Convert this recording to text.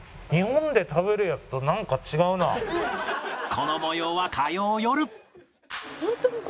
この模様は火曜よる